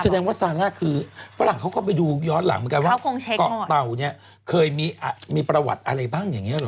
แสดงว่าซาร่าคือฝรั่งเขาก็ไปดูย้อนหลังเหมือนกันว่าเกาะเต่าเนี่ยเคยมีประวัติอะไรบ้างอย่างนี้หรอ